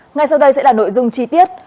ngay sau đây sẽ là nội dung chi tiết